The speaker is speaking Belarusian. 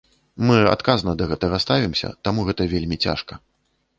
Мы адказна да гэтага ставімся, таму гэта вельмі цяжка.